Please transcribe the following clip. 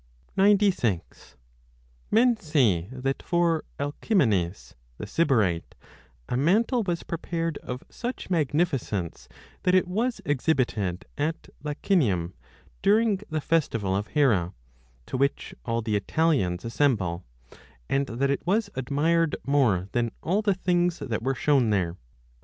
15 Men say that for Alcimenes, the Sybarite, a mantle was 96 prepared of such magnificence, that it was exhibited at Lacinium during the festival of Hera, to which all the Italians assemble, and that it was admired more than all the things that were shown there.